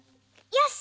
よし！